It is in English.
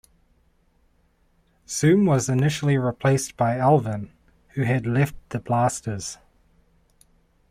Zoom was initially replaced by Alvin, who had left the Blasters.